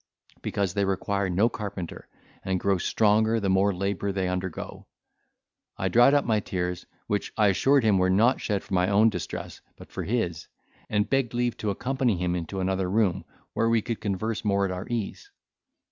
because they require no carpenter, and grow stronger the more labour they undergo. I dried up my tears, which I assured him were not shed for my own distress, but for his, and begged leave to accompany him into another room, where we could converse more at our ease.